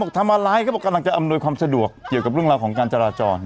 ทำอะไรก็บอกกำลังจะอำนวยความสะดวกเกี่ยวกับเรื่องราวของการจราจร